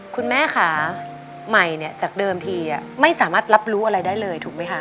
คุณแม่ค่ะใหม่เนี่ยจากเดิมทีไม่สามารถรับรู้อะไรได้เลยถูกไหมคะ